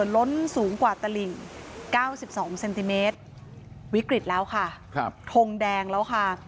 ล้นสูงกว่าตลิ่ง๙๒เซนติเมตรวิกฤตแล้วค่ะทงแดงแล้วค่ะ